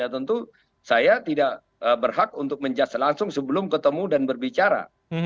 tentu saya tidak berhak untuk menjust langsung sebelum ketemu dan berbicara